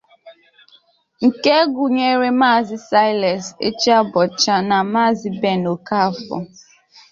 nke gụnyere Maazị Silas Ejeabọcha na Maazị Ben Okafọr